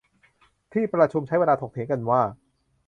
ที่ประชุมใช้เวลาถกเถียงกันว่า